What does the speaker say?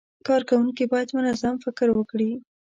کارکوونکي باید منظم فکر وکړي.